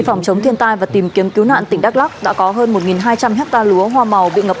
phòng chống thiên tai và tìm kiếm cứu nạn tỉnh đắk lắc đã có hơn một hai trăm linh hectare lúa hoa màu bị ngập